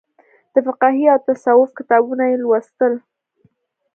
د فقهي او تصوف کتابونه یې ولوستل.